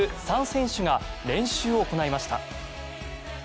３選手が練習を行いました。